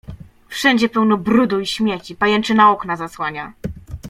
"Wszędzie pełno brudu i śmieci, pajęczyna okna zasłania."